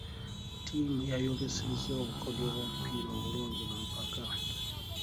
Ttiimu yayolesezza obukodyo bw'omupiira obulungi mu mpaka.